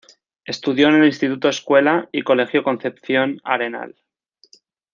Estudió en el Instituto Escuela y Colegio Concepción Arenal.